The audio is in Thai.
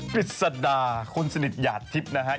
กีชซดาคนสนิทหยาดทิพย์นะครับ